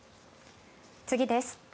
次です。